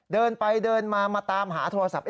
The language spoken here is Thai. เดินไปเดินมามาตามหาโทรศัพท์